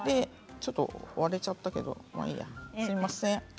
ちょっと割れちゃったけどいいや、すいません。